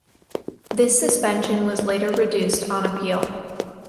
This suspension was later reduced on appeal.